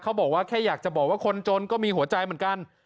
เขาบอกว่าแค่อยากจะบอกว่าคนจนก็มีหัวใจเหมือนกัน